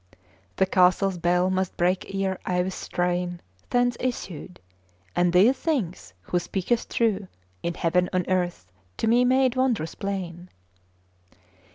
The castle's bell must break ere I with strain Thence issued; and these things Who speaketh true In heaven on earth, to me made wondrous plain.